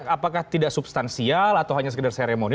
apakah tidak substansial atau hanya sekedar seremoni